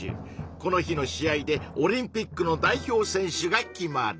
この日の試合でオリンピックの代表選手が決まる。